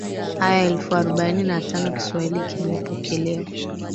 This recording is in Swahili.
aya elfu arobaini na tano Kiswahili kimepokelewa